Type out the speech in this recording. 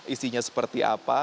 isinya seperti apa